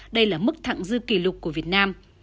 đây là mức thẳng dư kỷ lục của việt nam